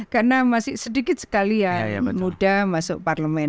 karena masih sedikit sekali ya muda masuk parlemen